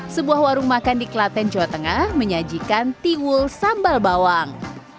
sebuah warung makan di klaten jawa tengah menyajikan tiwul sambal bawang